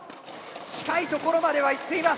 近い所までは行っています。